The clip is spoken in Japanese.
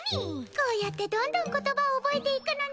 こうやってどんどん言葉を覚えていくのね。